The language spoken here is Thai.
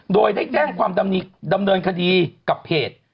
โดยได้แจ้งความดำเนินคดีกับเพจ